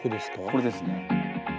これですね。